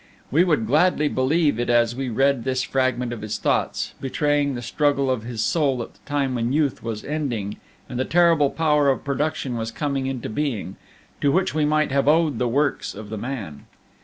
We would gladly believe it as we read this fragment of his thoughts, betraying the struggle of his soul at the time when youth was ending and the terrible power of production was coming into being, to which we might have owed the works of the man.